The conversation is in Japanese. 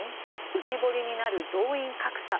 浮き彫りになる動員格差。